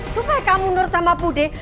supaya kamu nur sama budi